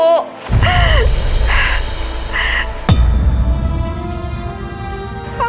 aku harus gimana